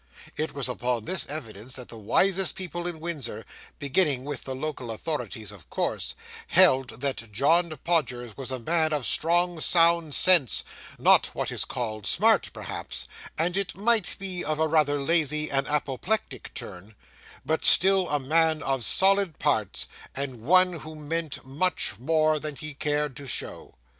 It was upon this evidence that the wisest people in Windsor (beginning with the local authorities of course) held that John Podgers was a man of strong, sound sense, not what is called smart, perhaps, and it might be of a rather lazy and apoplectic turn, but still a man of solid parts, and one who meant much more than he cared to show.